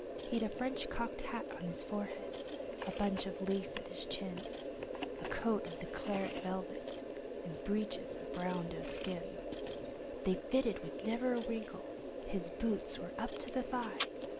He'd a French cocked hat on his forehead, and a bunch of lace at his chin; He'd a coat of the claret velvet, and breeches of fine doe skin. They fitted with never a wrinkle; his boots were up to his thigh!